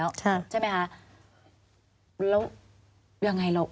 ควิทยาลัยเชียร์สวัสดีครับ